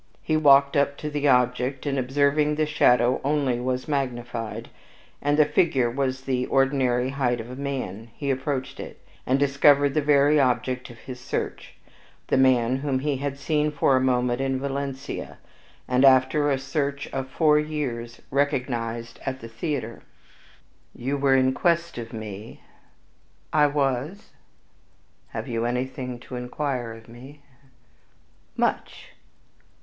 He walked up to the object, and observing the shadow only was magnified, and the figure was the ordinary height of man, he approached it, and discovered the very object of his search, the man whom he had seen for a moment in Valencia, and, after a search of four years, recognized at the theater. ..... "You were in quest of me?" "I was." "Have you anything to inquire of me?" "Much."